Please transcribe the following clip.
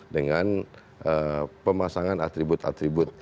dengan pemasangan atribut atribut